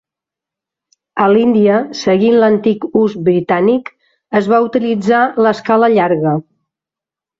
A l'Índia, seguint l'antic ús britànic, es va utilitzar l'escala llarga.